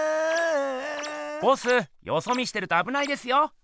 ボスよそ見してるとあぶないですよ。